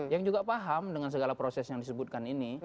yang juga paham dengan segala proses yang disebutkan ini